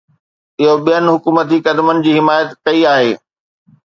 اهو ٻين حڪومتي قدمن جي حمايت ڪئي آهي.